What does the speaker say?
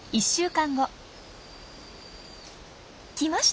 来ました！